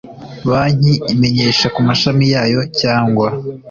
banki Imenyesha ku mashami yayo cyangwa